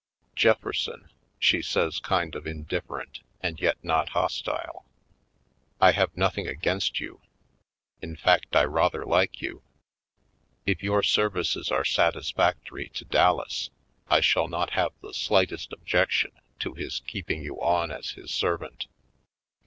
"Jefferson," she says kind of indifferent and yet not hostile, "I have nothing against you — in fact I rather like you. If your services are satisfactory to Dallas I shall have not the slightest objection to his keep ing you on as his servant."